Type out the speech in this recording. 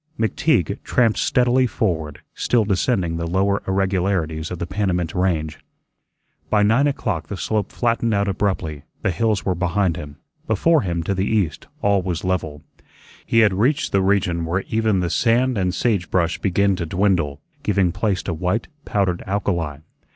McTeague tramped steadily forward, still descending the lower irregularities of the Panamint Range. By nine o'clock the slope flattened out abruptly; the hills were behind him; before him, to the east, all was level. He had reached the region where even the sand and sage brush begin to dwindle, giving place to white, powdered alkali.